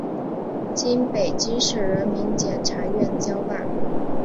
经北京市人民检察院交办